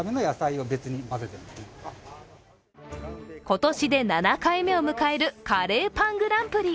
今年で７回目を迎えるカレーパングランプリ。